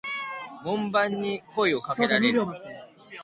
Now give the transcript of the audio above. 門番に声を掛けられる。